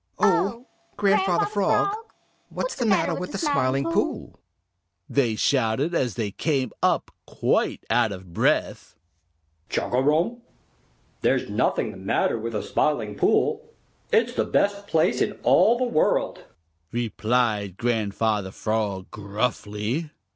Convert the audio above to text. "Oh, Grandfather Frog, what's the matter with the Smiling Pool?" they shouted, as they came up quite out of breath. "Chugarum! There's nothing the matter with the Smiling Pool; it's the best place in all the world," replied Grandfather Frog gruffly.